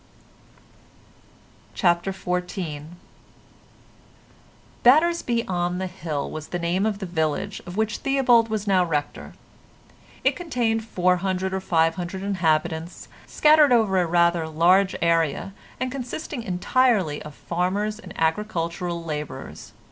CHAPTER XIV Battersby On The Hill was the name of the village of which Theobald was now Rector. It contained 400 or 500 inhabitants, scattered over a rather large area, and consisting entirely of farmers and agricultural labourers.